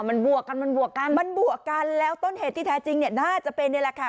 มันบวกกันมันบวกกันมันบวกกันแล้วต้นเหตุที่แท้จริงเนี่ยน่าจะเป็นนี่แหละค่ะ